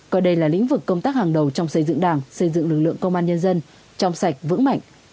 coi đây là lĩnh vực công tác hàng đầu trong xây dựng đảng xây dựng lực lượng công an nhân dân trong sạch vững mạnh